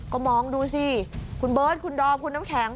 ก็มองดูสิคุณเบิร์ตคุณดอมคุณน้ำแข็ง